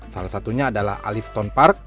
salah satunya adalah alif stone park